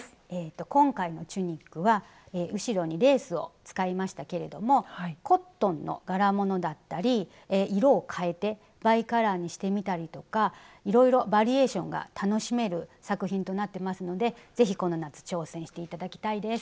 今回のチュニックは後ろにレースを使いましたけれどもコットンの柄物だったり色をかえてバイカラーにしてみたりとかいろいろバリエーションが楽しめる作品となってますので是非この夏挑戦していただきたいです。